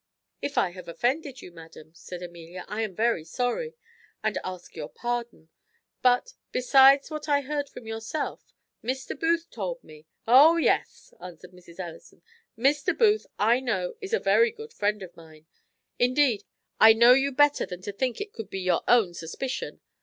"If I have offended you, madam," said Amelia, "I am very sorry, and ask your pardon; but, besides what I heard from yourself, Mr. Booth told me " "O yes!" answered Mrs. Ellison, "Mr. Booth, I know, is a very good friend of mine. Indeed, I know you better than to think it could be your own suspicion.